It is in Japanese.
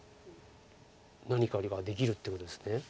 何かあればできるってことです。